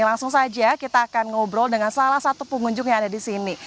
langsung saja kita akan ngobrol dengan salah satu pengunjung yang ada di sini